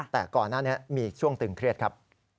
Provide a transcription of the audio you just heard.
แต่ก่อนหน้านี้มีช่วงตึงเครียดครับ